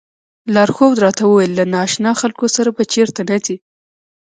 لارښود راته وویل له نا اشنا خلکو سره به چېرته نه ځئ.